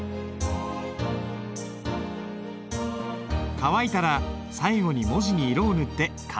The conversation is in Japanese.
乾いたら最後に文字に色を塗って完成だ。